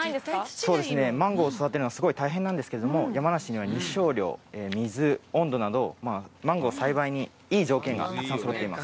そうですね、マンゴーを育てるのはすごい大変なんですけれども、山梨のように日照量、水、温度など、マンゴー栽培にいい条件がそろっています。